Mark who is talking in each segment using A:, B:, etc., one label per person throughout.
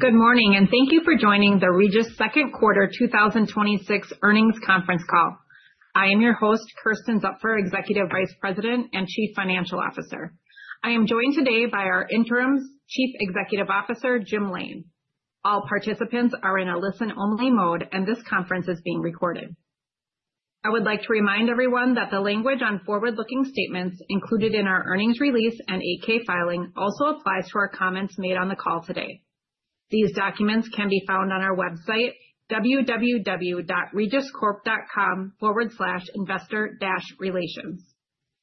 A: Good morning, and thank you for joining the Regis Second Quarter 2026 Earnings Conference Call. I am your host, Kersten Zupfer, Executive Vice President and Chief Financial Officer. I am joined today by our interim Chief Executive Officer, Jim Lain. All participants are in a listen-only mode, and this conference is being recorded. I would like to remind everyone that the language on forward-looking statements included in our earnings release and 8-K filing also applies to our comments made on the call today. These documents can be found on our website, www.regiscorp.com/investor-relations.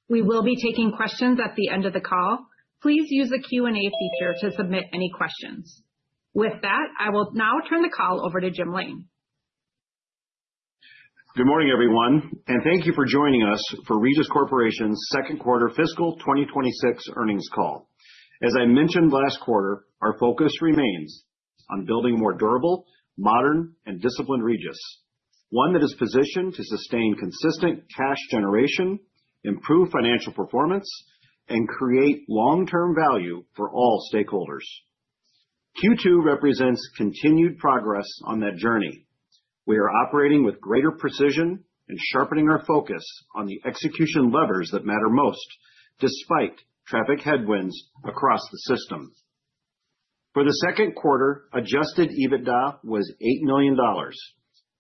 A: We will be taking questions at the end of the call. Please use the Q&A feature to submit any questions. With that, I will now turn the call over to Jim Lain.
B: Good morning, everyone, and thank you for joining us for Regis Corporation's Second Quarter Fiscal 2026 Earnings Call. As I mentioned last quarter, our focus remains on building more durable, modern, and disciplined Regis, one that is positioned to sustain consistent cash generation, improve financial performance, and create long-term value for all stakeholders. Q2 represents continued progress on that journey. We are operating with greater precision and sharpening our focus on the execution levers that matter most despite traffic headwinds across the system. For the second quarter, Adjusted EBITDA was $8 million,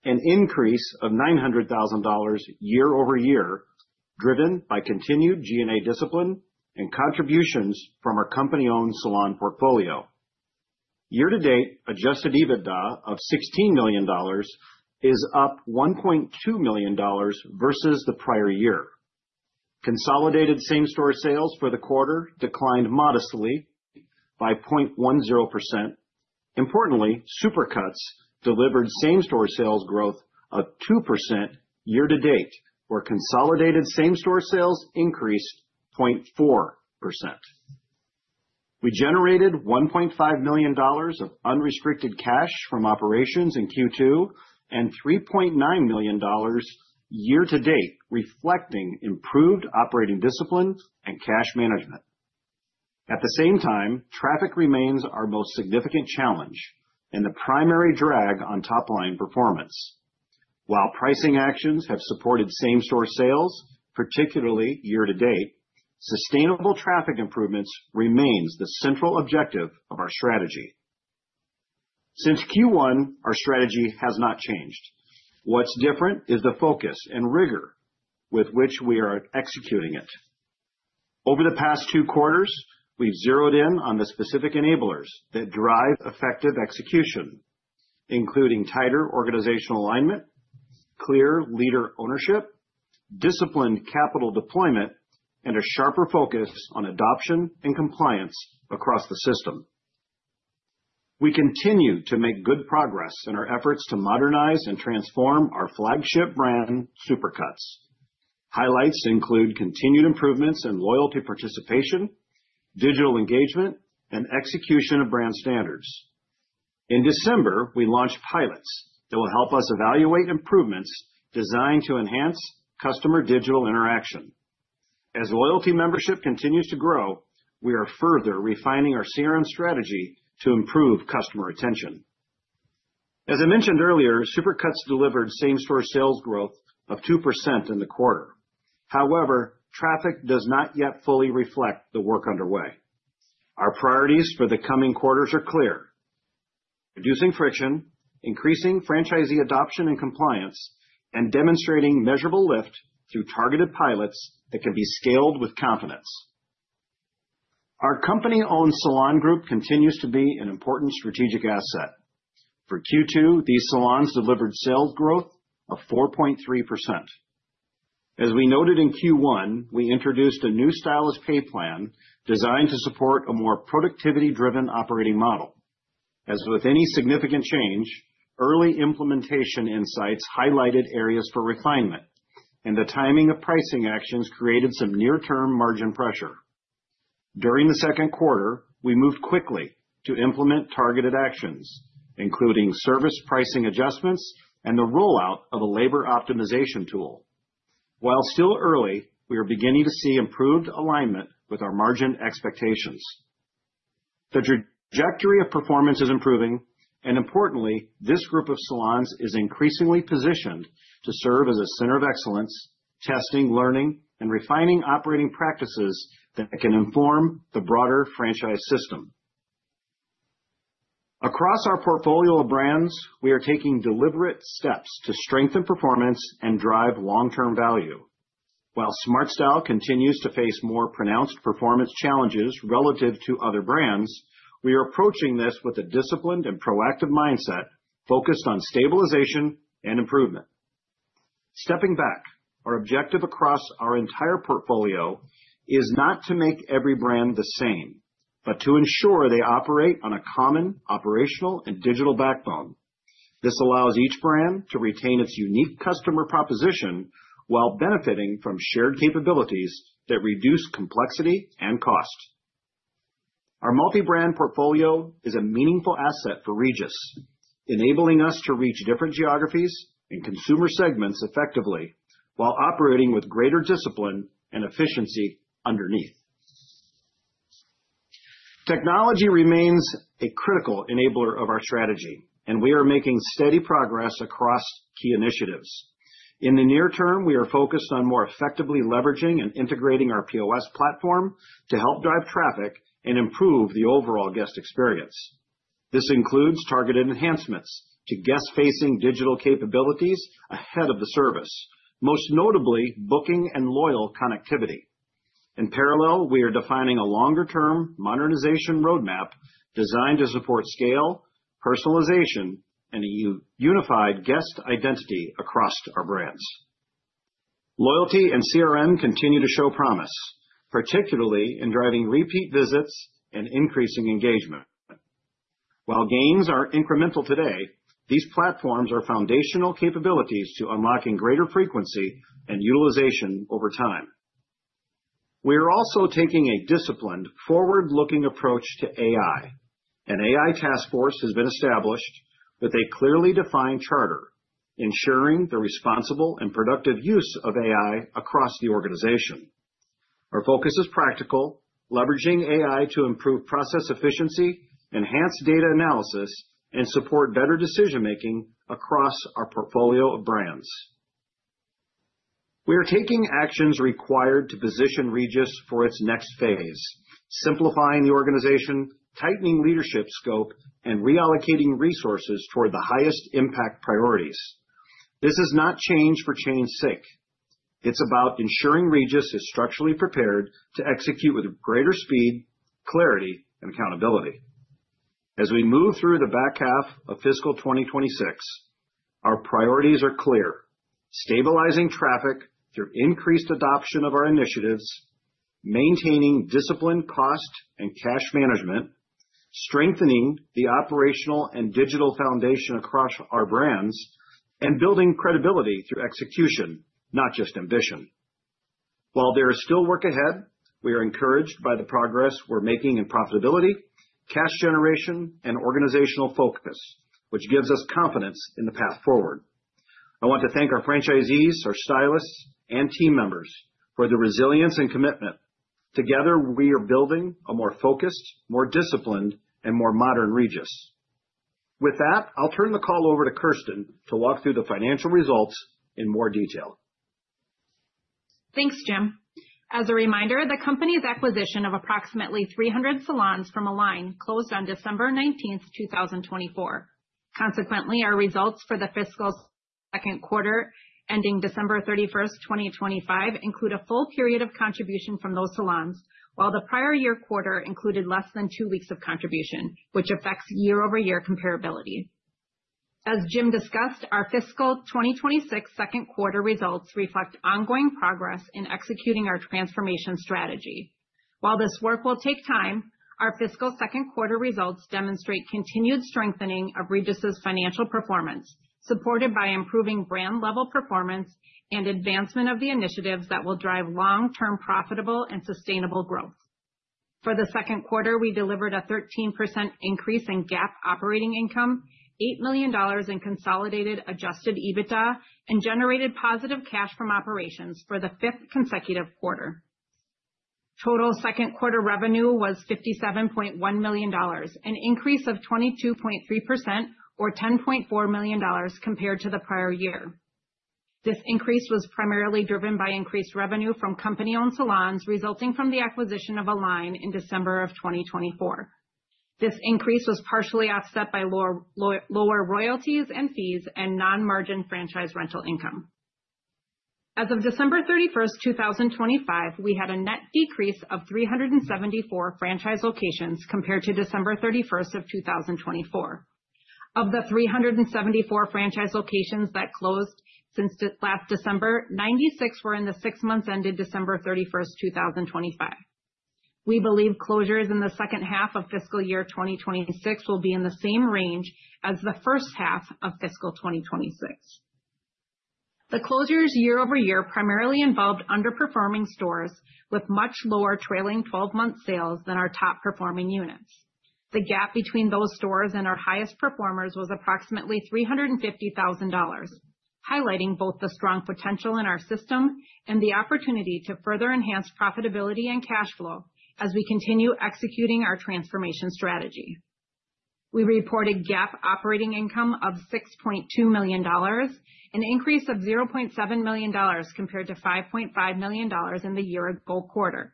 B: an increase of $900,000 year-over-year driven by continued G&A discipline and contributions from our company-owned salon portfolio. Year-to-date, Adjusted EBITDA of $16 million is up $1.2 million versus the prior year. Consolidated same-store sales for the quarter declined modestly by 0.10%. Importantly, Supercuts delivered same-store sales growth of 2% year to date, where consolidated same-store sales increased 0.4%. We generated $1.5 million of unrestricted cash from operations in Q2 and $3.9 million year to date, reflecting improved operating discipline and cash management. At the same time, traffic remains our most significant challenge and the primary drag on top-line performance. While pricing actions have supported same-store sales, particularly year to date, sustainable traffic improvements remain the central objective of our strategy. Since Q1, our strategy has not changed. What's different is the focus and rigor with which we are executing it. Over the past two quarters, we've zeroed in on the specific enablers that drive effective execution, including tighter organizational alignment, clear leader ownership, disciplined capital deployment, and a sharper focus on adoption and compliance across the system. We continue to make good progress in our efforts to modernize and transform our flagship brand, Supercuts. Highlights include continued improvements in loyalty participation, digital engagement, and execution of brand standards. In December, we launched pilots that will help us evaluate improvements designed to enhance customer digital interaction. As loyalty membership continues to grow, we are further refining our CRM strategy to improve customer attention. As I mentioned earlier, Supercuts delivered same-store sales growth of 2% in the quarter. However, traffic does not yet fully reflect the work underway. Our priorities for the coming quarters are clear: reducing friction, increasing franchisee adoption and compliance, and demonstrating measurable lift through targeted pilots that can be scaled with confidence. Our company-owned salon group continues to be an important strategic asset. For Q2, these salons delivered sales growth of 4.3%. As we noted in Q1, we introduced a new stylists pay plan designed to support a more productivity-driven operating model. As with any significant change, early implementation insights highlighted areas for refinement, and the timing of pricing actions created some near-term margin pressure. During the second quarter, we moved quickly to implement targeted actions, including service pricing adjustments and the rollout of a labor optimization tool. While still early, we are beginning to see improved alignment with our margin expectations. The trajectory of performance is improving, and importantly, this group of salons is increasingly positioned to serve as a center of excellence, testing, learning, and refining operating practices that can inform the broader franchise system. Across our portfolio of brands, we are taking deliberate steps to strengthen performance and drive long-term value. While SmartStyle continues to face more pronounced performance challenges relative to other brands, we are approaching this with a disciplined and proactive mindset focused on stabilization and improvement. Stepping back, our objective across our entire portfolio is not to make every brand the same, but to ensure they operate on a common operational and digital backbone. This allows each brand to retain its unique customer proposition while benefiting from shared capabilities that reduce complexity and cost. Our multi-brand portfolio is a meaningful asset for Regis, enabling us to reach different geographies and consumer segments effectively while operating with greater discipline and efficiency underneath. Technology remains a critical enabler of our strategy, and we are making steady progress across key initiatives. In the near term, we are focused on more effectively leveraging and integrating our POS platform to help drive traffic and improve the overall guest experience. This includes targeted enhancements to guest-facing digital capabilities ahead of the service, most notably booking and loyal connectivity. In parallel, we are defining a longer-term modernization roadmap designed to support scale, personalization, and a unified guest identity across our brands. Loyalty and CRM continue to show promise, particularly in driving repeat visits and increasing engagement. While gains are incremental today, these platforms are foundational capabilities to unlocking greater frequency and utilization over time. We are also taking a disciplined, forward-looking approach to AI. An AI task force has been established with a clearly defined charter, ensuring the responsible and productive use of AI across the organization. Our focus is practical, leveraging AI to improve process efficiency, enhance data analysis, and support better decision-making across our portfolio of brands. We are taking actions required to position Regis for its next phase, simplifying the organization, tightening leadership scope, and reallocating resources toward the highest impact priorities. This is not change for change's sake. It's about ensuring Regis is structurally prepared to execute with greater speed, clarity, and accountability. As we move through the back half of fiscal 2026, our priorities are clear: stabilizing traffic through increased adoption of our initiatives, maintaining disciplined cost and cash management, strengthening the operational and digital foundation across our brands, and building credibility through execution, not just ambition. While there is still work ahead, we are encouraged by the progress we're making in profitability, cash generation, and organizational focus, which gives us confidence in the path forward. I want to thank our franchisees, our stylists, and team members for the resilience and commitment. Together, we are building a more focused, more disciplined, and more modern Regis. With that, I'll turn the call over to Kersten to walk through the financial results in more detail.
A: Thanks, Jim. As a reminder, the company's acquisition of approximately 300 salons from Align closed on December 19, 2024. Consequently, our results for the fiscal second quarter ending December 31, 2025, include a full period of contribution from those salons, while the prior year quarter included less than two weeks of contribution, which affects year-over-year comparability. As Jim discussed, our fiscal 2026 second quarter results reflect ongoing progress in executing our transformation strategy. While this work will take time, our fiscal second quarter results demonstrate continued strengthening of Regis's financial performance, supported by improving brand-level performance and advancement of the initiatives that will drive long-term profitable and sustainable growth. For the second quarter, we delivered a 13% increase in GAAP operating income, $8 million in consolidated adjusted EBITDA, and generated positive cash from operations for the fifth consecutive quarter. Total second quarter revenue was $57.1 million, an increase of 22.3% or $10.4 million compared to the prior year. This increase was primarily driven by increased revenue from company-owned salons resulting from the acquisition of Align in December of 2024. This increase was partially offset by lower royalties and fees and non-margin franchise rental income. As of December 31, 2025, we had a net decrease of 374 franchise locations compared to December 31, 2024. Of the 374 franchise locations that closed since last December, 96 were in the six months ended December 31, 2025. We believe closures in the second half of fiscal year 2026 will be in the same range as the first half of fiscal 2026. The closures year-over-year primarily involved underperforming stores with much lower trailing 12-month sales than our top-performing units. The gap between those stores and our highest performers was approximately $350,000, highlighting both the strong potential in our system and the opportunity to further enhance profitability and cash flow as we continue executing our transformation strategy. We reported GAAP operating income of $6.2 million, an increase of $0.7 million compared to $5.5 million in the year-ago quarter.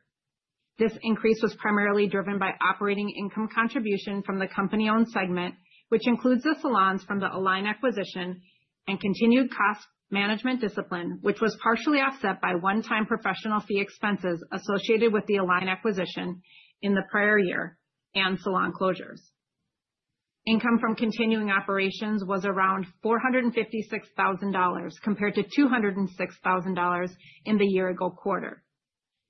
A: This increase was primarily driven by operating income contribution from the company-owned segment, which includes the salons from the Align acquisition, and continued cost management discipline, which was partially offset by one-time professional fee expenses associated with the Align acquisition in the prior year and salon closures. Income from continuing operations was around $456,000 compared to $206,000 in the year-ago quarter.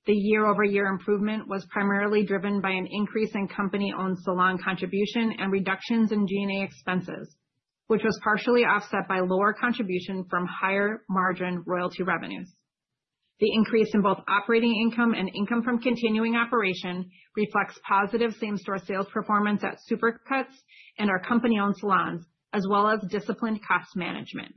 A: The year-over-year improvement was primarily driven by an increase in company-owned salon contribution and reductions in G&A expenses, which was partially offset by lower contribution from higher-margin royalty revenues. The increase in both operating income and income from continuing operation reflects positive same-store sales performance at Supercuts and our company-owned salons, as well as disciplined cost management.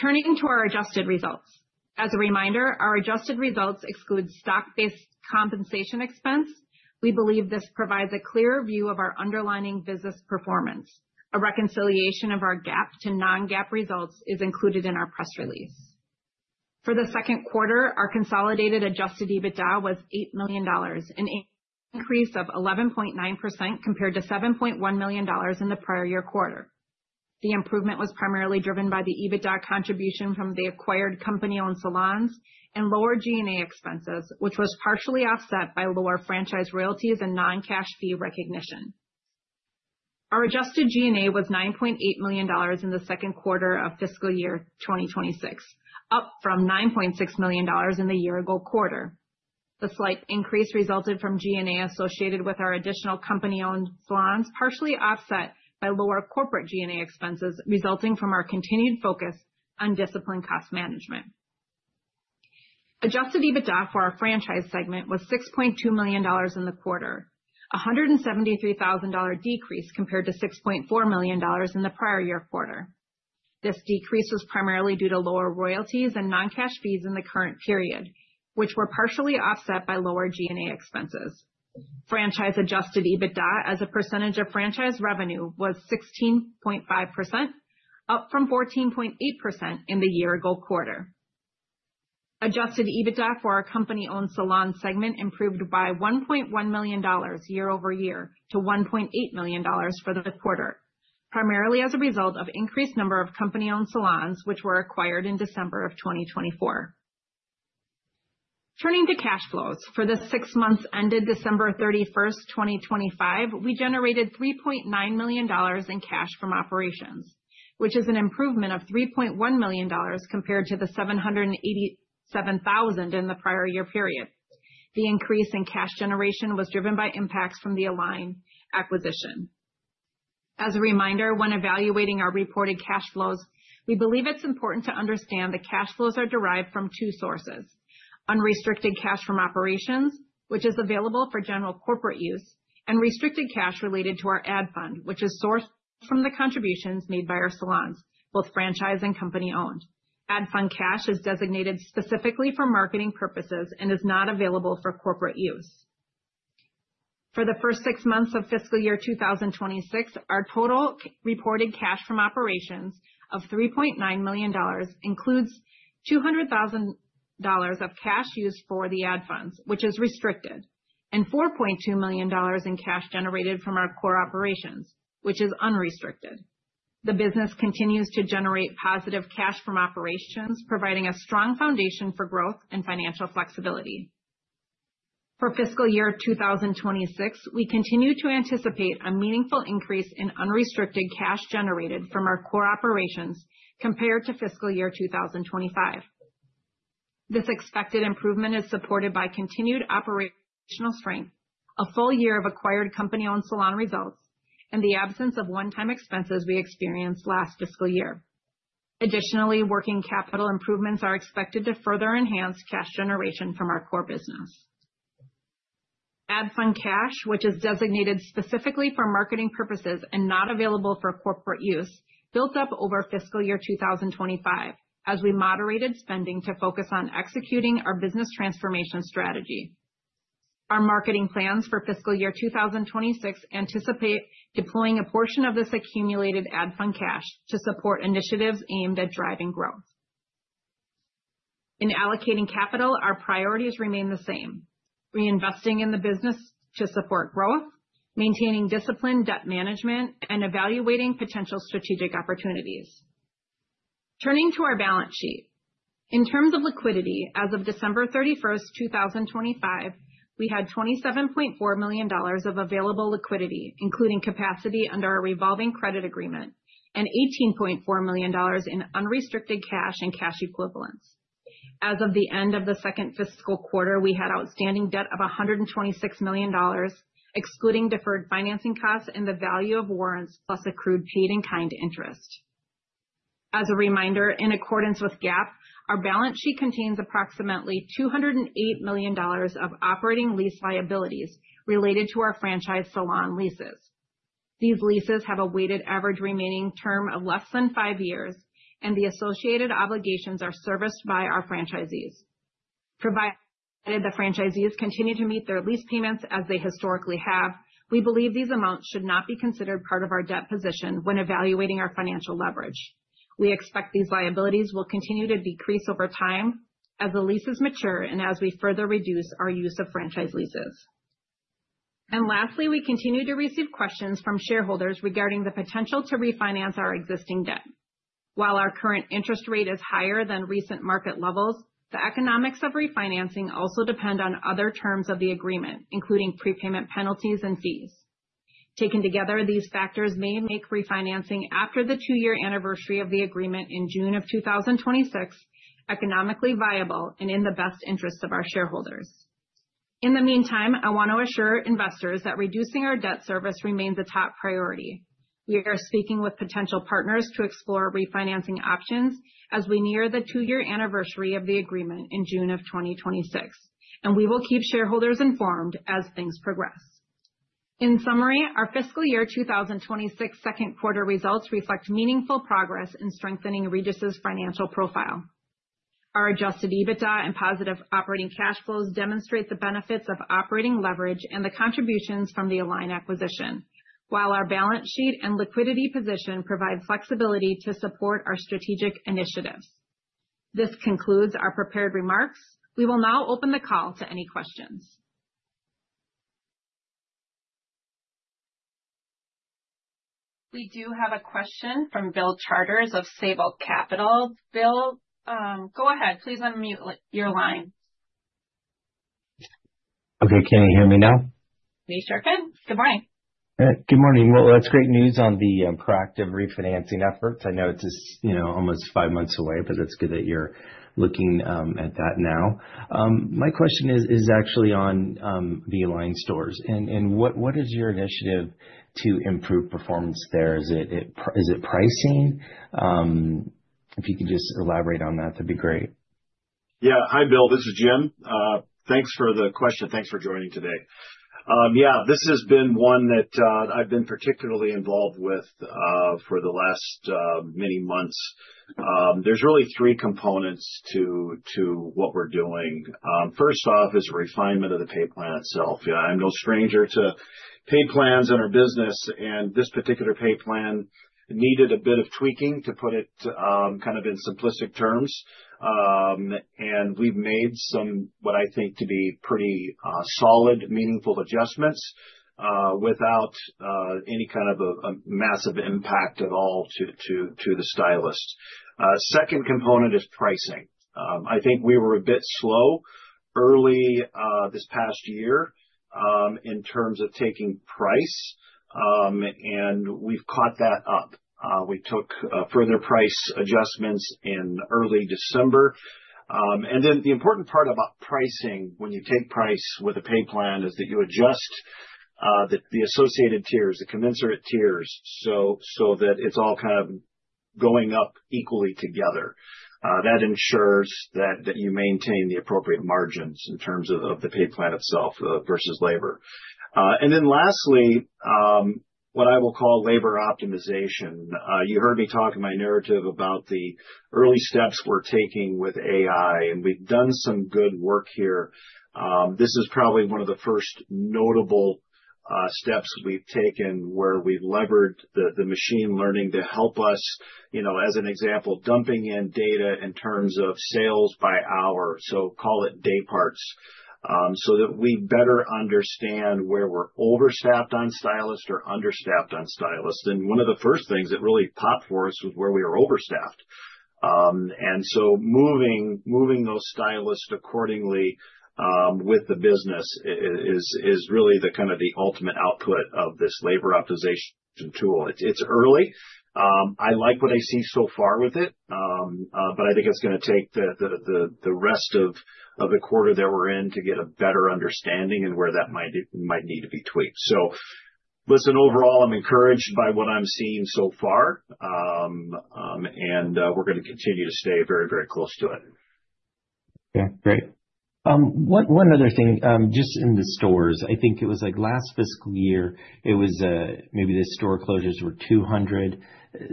A: Turning to our adjusted results. As a reminder, our adjusted results exclude stock-based compensation expense. We believe this provides a clearer view of our underlying business performance. A reconciliation of our GAAP to non-GAAP results is included in our press release. For the second quarter, our consolidated adjusted EBITDA was $8 million, an increase of 11.9% compared to $7.1 million in the prior year quarter. The improvement was primarily driven by the EBITDA contribution from the acquired company-owned salons and lower G&A expenses, which was partially offset by lower franchise royalties and non-cash fee recognition. Our adjusted G&A was $9.8 million in the second quarter of fiscal year 2026, up from $9.6 million in the year-ago quarter. The slight increase resulted from G&A associated with our additional company-owned salons, partially offset by lower corporate G&A expenses resulting from our continued focus on disciplined cost management. Adjusted EBITDA for our franchise segment was $6.2 million in the quarter, a $173,000 decrease compared to $6.4 million in the prior year quarter. This decrease was primarily due to lower royalties and non-cash fees in the current period, which were partially offset by lower G&A expenses. Franchise adjusted EBITDA as a percentage of franchise revenue was 16.5%, up from 14.8% in the year-ago quarter. Adjusted EBITDA for our company-owned salon segment improved by $1.1 million year-over-year to $1.8 million for the quarter, primarily as a result of increased number of company-owned salons, which were acquired in December of 2024. Turning to cash flows. For the six months ended December 31, 2025, we generated $3.9 million in cash from operations, which is an improvement of $3.1 million compared to the $787,000 in the prior year period. The increase in cash generation was driven by impacts from the Align acquisition. As a reminder, when evaluating our reported cash flows, we believe it's important to understand the cash flows are derived from two sources: unrestricted cash from operations, which is available for general corporate use, and restricted cash related to our ad fund, which is sourced from the contributions made by our salons, both franchise and company-owned. Ad fund cash is designated specifically for marketing purposes and is not available for corporate use. For the first six months of fiscal year 2026, our total reported cash from operations of $3.9 million includes $200,000 of cash used for the ad funds, which is restricted, and $4.2 million in cash generated from our core operations, which is unrestricted. The business continues to generate positive cash from operations, providing a strong foundation for growth and financial flexibility. For fiscal year 2026, we continue to anticipate a meaningful increase in unrestricted cash generated from our core operations compared to fiscal year 2025. This expected improvement is supported by continued operational strength, a full year of acquired company-owned salon results, and the absence of one-time expenses we experienced last fiscal year. Additionally, working capital improvements are expected to further enhance cash generation from our core business. Ad fund cash, which is designated specifically for marketing purposes and not available for corporate use, built up over fiscal year 2025 as we moderated spending to focus on executing our business transformation strategy. Our marketing plans for fiscal year 2026 anticipate deploying a portion of this accumulated ad fund cash to support initiatives aimed at driving growth. In allocating capital, our priorities remain the same: reinvesting in the business to support growth, maintaining disciplined debt management, and evaluating potential strategic opportunities. Turning to our balance sheet. In terms of liquidity, as of December 31, 2025, we had $27.4 million of available liquidity, including capacity under our revolving credit agreement, and $18.4 million in unrestricted cash and cash equivalents. As of the end of the second fiscal quarter, we had outstanding debt of $126 million, excluding deferred financing costs and the value of warrants plus accrued paid-in-kind interest. As a reminder, in accordance with GAAP, our balance sheet contains approximately $208 million of operating lease liabilities related to our franchise salon leases. These leases have a weighted average remaining term of less than five years, and the associated obligations are serviced by our franchisees. Provided the franchisees continue to meet their lease payments as they historically have, we believe these amounts should not be considered part of our debt position when evaluating our financial leverage. We expect these liabilities will continue to decrease over time as the leases mature and as we further reduce our use of franchise leases. And lastly, we continue to receive questions from shareholders regarding the potential to refinance our existing debt. While our current interest rate is higher than recent market levels, the economics of refinancing also depend on other terms of the agreement, including prepayment penalties and fees. Taken together, these factors may make refinancing after the two-year anniversary of the agreement in June of 2026 economically viable and in the best interests of our shareholders. In the meantime, I want to assure investors that reducing our debt service remains a top priority. We are speaking with potential partners to explore refinancing options as we near the two-year anniversary of the agreement in June of 2026, and we will keep shareholders informed as things progress. In summary, our fiscal year 2026 second quarter results reflect meaningful progress in strengthening Regis's financial profile. Our Adjusted EBITDA and positive operating cash flows demonstrate the benefits of operating leverage and the contributions from the Align acquisition, while our balance sheet and liquidity position provide flexibility to support our strategic initiatives. This concludes our prepared remarks. We will now open the call to any questions. We do have a question from Bill Charters of Sabal Capital. Bill, go ahead. Please unmute your line.
C: Okay. Can you hear me now?
A: We sure can. Good morning.
C: Good morning. Well, that's great news on the proactive refinancing efforts. I know it's almost five months away, but it's good that you're looking at that now. My question is actually on the Align stores. What is your initiative to improve performance there? Is it pricing? If you could just elaborate on that, that'd be great.
B: Yeah. Hi, Bill. This is Jim. Thanks for the question. Thanks for joining today. Yeah, this has been one that I've been particularly involved with for the last many months. There's really three components to what we're doing. First off is refinement of the pay plan itself. I'm no stranger to pay plans in our business, and this particular pay plan needed a bit of tweaking, to put it kind of in simplistic terms. And we've made some what I think to be pretty solid, meaningful adjustments without any kind of a massive impact at all to the stylist. Second component is pricing. I think we were a bit slow early this past year in terms of taking price, and we've caught that up. We took further price adjustments in early December. And then the important part about pricing when you take price with a pay plan is that you adjust the associated tiers, the commensurate tiers, so that it's all kind of going up equally together. That ensures that you maintain the appropriate margins in terms of the pay plan itself versus labor. And then lastly, what I will call labor optimization. You heard me talk in my narrative about the early steps we're taking with AI, and we've done some good work here. This is probably one of the first notable steps we've taken where we've leveraged the machine learning to help us, as an example, dumping in data in terms of sales by hour, so call it day parts, so that we better understand where we're overstaffed on stylist or understaffed on stylist. And one of the first things that really popped for us was where we were overstaffed. And so moving those stylists accordingly with the business is really kind of the ultimate output of this labor optimization tool. It's early. I like what I see so far with it, but I think it's going to take the rest of the quarter that we're in to get a better understanding and where that might need to be tweaked. So listen, overall, I'm encouraged by what I'm seeing so far, and we're going to continue to stay very, very close to it.
C: Yeah. Great. One other thing, just in the stores, I think it was last fiscal year, maybe the store closures were 200.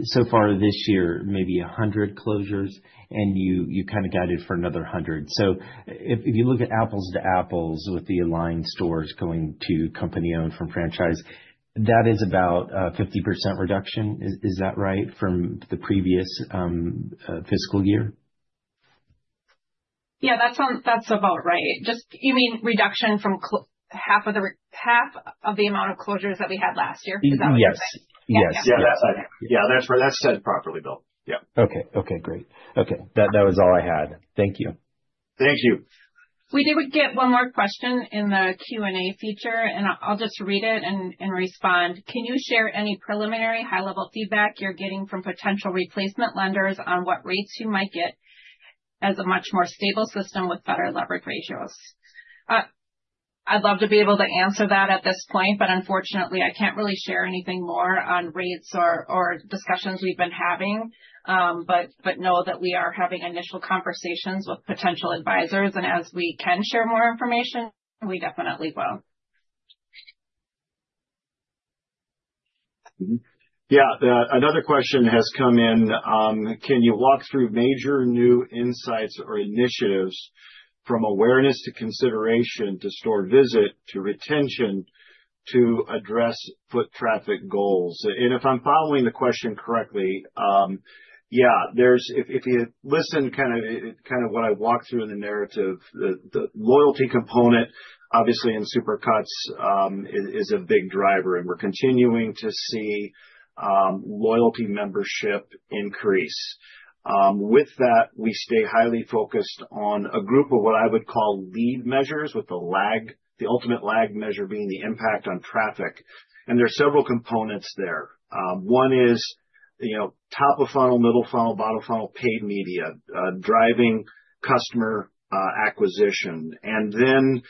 C: So far this year, maybe 100 closures, and you kind of guided for another 100. So if you look at apples to apples with the Align stores going to company-owned from franchise, that is about a 50% reduction. Is that right from the previous fiscal year?
A: Yeah, that's about right. You mean reduction from half of the amount of closures that we had last year? Is that what you're saying?
B: Yes. Yes. Yeah, that's said properly, Bill. Yeah.
C: Okay. Okay. Great. Okay. That was all I had. Thank you.
B: Thank you.
A: We did get one more question in the Q&A feature, and I'll just read it and respond. Can you share any preliminary high-level feedback you're getting from potential replacement lenders on what rates you might get as a much more stable system with better leverage ratios? I'd love to be able to answer that at this point, but unfortunately, I can't really share anything more on rates or discussions we've been having. But know that we are having initial conversations with potential advisors, and as we can share more information, we definitely will.
B: Yeah. Another question has come in. Can you walk through major new insights or initiatives from awareness to consideration to store visit to retention to address foot traffic goals? And if I'm following the question correctly, yeah, if you listen kind of what I walked through in the narrative, the loyalty component, obviously, in Supercuts is a big driver, and we're continuing to see loyalty membership increase. With that, we stay highly focused on a group of what I would call lead measures with the ultimate lag measure being the impact on traffic. And there's several components there. One is top of funnel, middle funnel, bottom funnel, paid media, driving customer acquisition, and then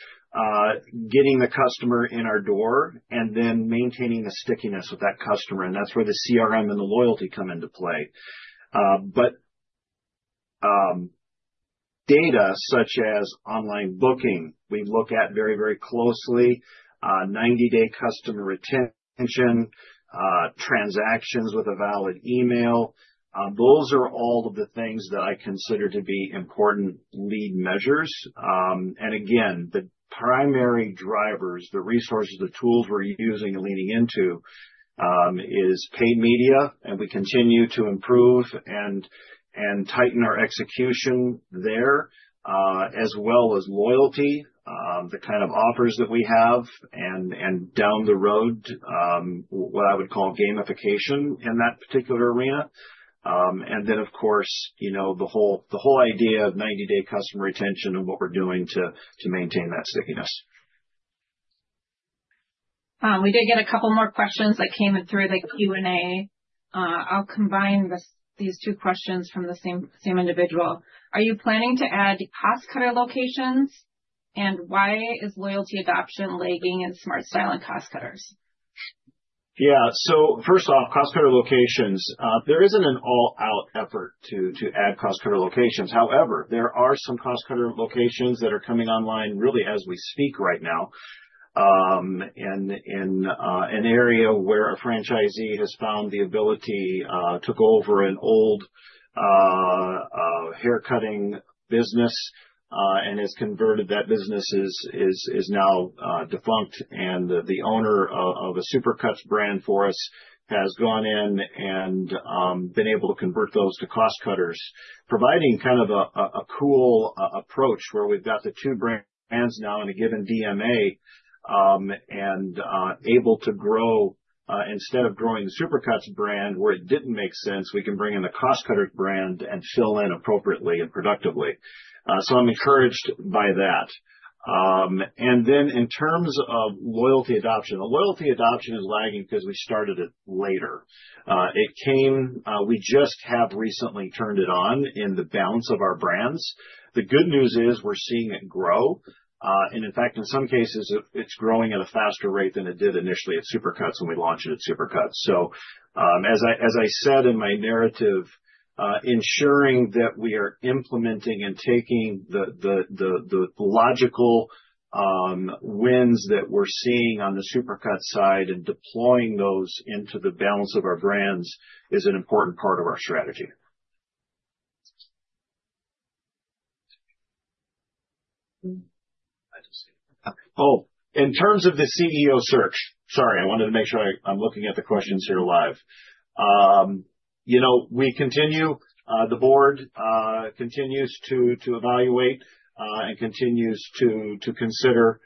B: getting the customer in our door and then maintaining the stickiness with that customer. And that's where the CRM and the loyalty come into play. But data such as online booking, we look at very, very closely, 90-day customer retention, transactions with a valid email. Those are all of the things that I consider to be important lead measures. And again, the primary drivers, the resources, the tools we're using and leaning into is paid media, and we continue to improve and tighten our execution there, as well as loyalty, the kind of offers that we have, and down the road, what I would call gamification in that particular arena. And then, of course, the whole idea of 90-day customer retention and what we're doing to maintain that stickiness.
A: We did get a couple more questions that came through the Q&A. I'll combine these two questions from the same individual. Are you planning to add Cost Cutters locations, and why is loyalty adoption lagging in SmartStyle and Cost Cutters?
B: Yeah. So first off, Cost Cutters locations, there isn't an all-out effort to add Cost Cutters locations. However, there are some Cost Cutters locations that are coming online really as we speak right now in an area where a franchisee has found the ability to go over an old haircutting business and has converted that business, which is now defunct. And the owner of a Supercuts brand for us has gone in and been able to convert those to Cost Cutters, providing kind of a cool approach where we've got the two brands now in a given DMA and able to grow instead of growing the Supercuts brand where it didn't make sense; we can bring in the Cost Cutters brand and fill in appropriately and productively. So I'm encouraged by that. And then in terms of loyalty adoption, the loyalty adoption is lagging because we started it later. We just have recently turned it on in the balance of our brands. The good news is we're seeing it grow. And in fact, in some cases, it's growing at a faster rate than it did initially at Supercuts when we launched it at Supercuts. So as I said in my narrative, ensuring that we are implementing and taking the logical wins that we're seeing on the Supercuts side and deploying those into the balance of our brands is an important part of our strategy. Oh, in terms of the CEO search, sorry, I wanted to make sure I'm looking at the questions here live. The board continues to evaluate and continues to consider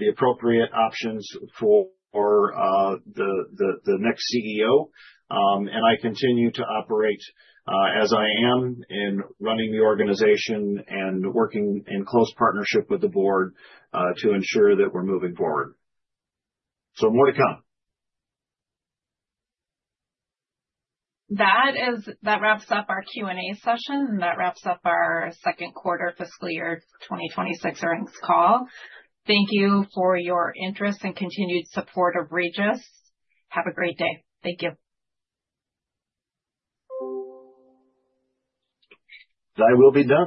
B: the appropriate options for the next CEO. And I continue to operate as I am in running the organization and working in close partnership with the board to ensure that we're moving forward. More to come.
A: That wraps up our Q&A session, and that wraps up our second quarter fiscal year 2026 earnings call. Thank you for your interest and continued support of Regis. Have a great day. Thank you.
C: I will be done.